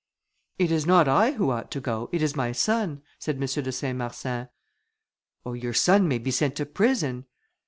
P. 403.] "It is not I who ought to go, it is my son," said M. de Saint Marsin. "Oh, your son may be sent to prison."